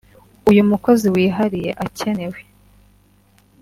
uyu mukozi wihariye akenewe